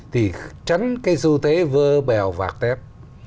thì tránh cái du tế vơ bèo vạt tép